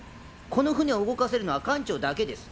この船を動かせるのは艦長だけです。